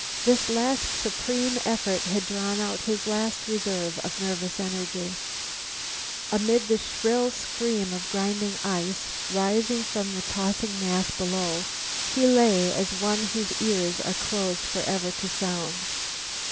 This last supreme effort had drawn out his last reserve of nervous energy. Amid the shrill scream of grinding ice rising from the tossing mass below, he lay as one whose ears are closed forever to sound.